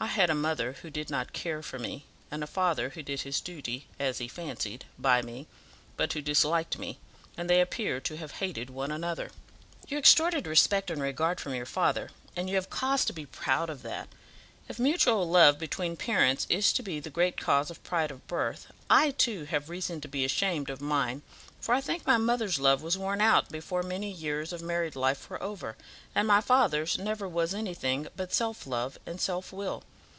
I had a mother who did not care for me, and a father who did his duty, as he fancied, by me, but who disliked me, and they appear to have hated one another." "You extorted respect and regard from your father, and you have cause to be proud of that. If mutual love between parents is to be the great cause of pride of birth, I, too, have reason to be ashamed of mine, for I think my mother's love was worn out before many years of married life were over, and my father's never was anything but self love and self will.